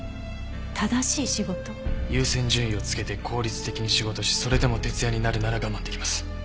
優先順位をつけて効率的に仕事しそれでも徹夜になるなら我慢出来ます。